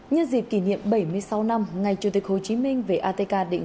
nhân dịp kỷ niệm bảy mươi sáu năm ngày chủ tịch hồ chí minh về atk định